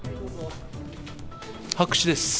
白紙です。